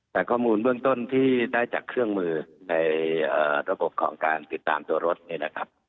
แต่ข้อมูลเบื้องต้นที่ได้จากเครื่องมือในระบบของการติดตามตัวรถนี่นะครับ